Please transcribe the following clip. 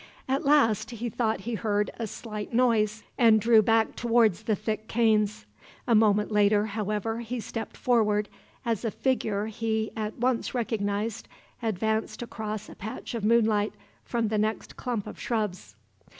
At last he thought he heard a slight noise, and drew back towards the thick canes. A moment later, however, he stepped forward, as a figure he at once recognized advanced across a patch of moonlight from the next clump of shrubs.